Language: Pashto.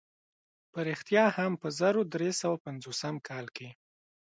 په رښتیا هم په زرو درې سوه پنځوسم کال کې.